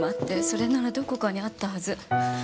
それならどこかにあったはず。